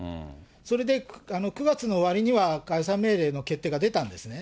それで９月の終わりには、解散命令の決定が出たんですね。